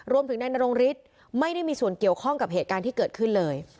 รวมถึงนายนรงฤทธิ์ไม่ได้มีส่วนเกี่ยวข้องกับเหตุการณ์ที่เกิดขึ้นเลย